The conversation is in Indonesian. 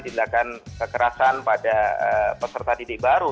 tindakan kekerasan pada peserta didik baru